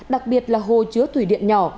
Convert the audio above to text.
đặc biệt là hồ chứa thủy điện nhỏ